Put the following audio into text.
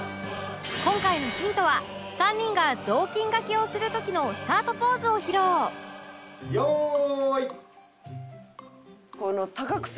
今回のヒントは３人が雑巾がけをする時のスタートポーズを披露用意。